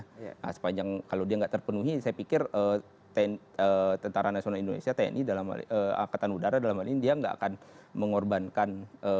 nah sepanjang kalau dia nggak terpenuhi saya pikir tentara nasional indonesia tni dalam angkatan udara dalam hal ini dia nggak akan mengorbankan